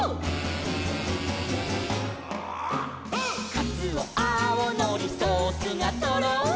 「かつおあおのりソースがとろり」